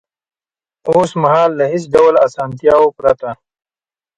اوس مهال له هېڅ ډول اسانتیاوو پرته